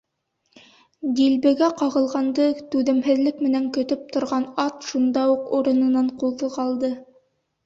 Дилбегә ҡағылғанды түҙемһеҙлек менән көтөп торған ат шунда уҡ урынынан ҡуҙғалды.